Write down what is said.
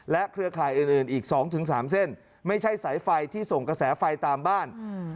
เครือข่ายอื่นอีก๒๓เส้นไม่ใช่สายไฟที่ส่งกระแสไฟตามบ้าน